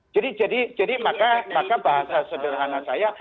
jadi jadi jadi maka bahasa sederhana saya